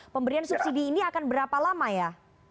pemberian subsidi ini akan berapa lama ya